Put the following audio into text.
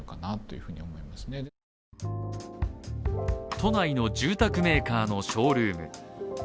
都内の住宅メーカーのショールーム。